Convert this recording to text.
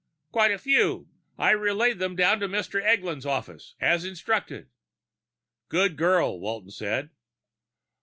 "Quite a few. I've relayed them down to Mr. Eglin's office, as instructed." "Good girl," Walton said.